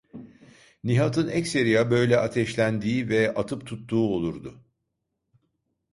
Nihat’ın ekseriya böyle ateşlendiği ve atıp tuttuğu olurdu.